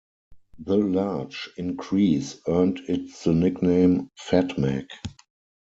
The large increase earned it the nickname Fat Mac.